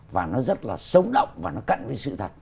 và nó rất là sống động và nó cận với sự thật